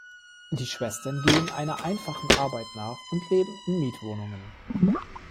Die Schwestern gehen einer einfachen Arbeit nach und leben in Mietwohnungen.